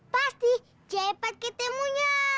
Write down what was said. pasti cepat ketemunya